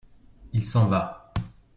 il s'en va.